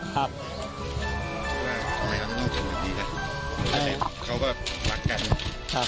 ทำไมทำวิธีกันดีกันเขาก็รักแกนึง